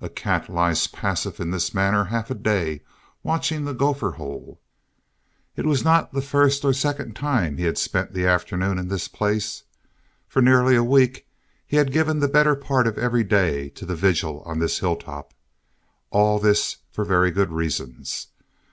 A cat lies passive in this manner half a day, watching the gopher hole. It was not the first or the second time he had spent the afternoon in this place. For nearly a week he had given the better part of every day to the vigil on this hilltop. All this for very good reasons.